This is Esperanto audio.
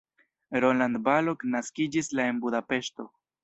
Roland Balogh naskiĝis la en Budapeŝto.